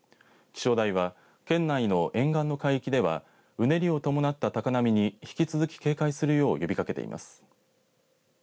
気象台は県内の沿岸の海域ではうねりを伴った高波に引き続き警戒するよう呼びかけています。